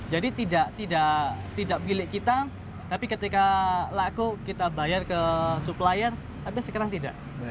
jadi tidak pilih kita tapi ketika laku kita bayar ke penyelenggara tapi sekarang tidak